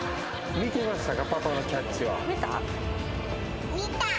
見ましたか？